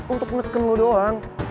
untuk neken lo doang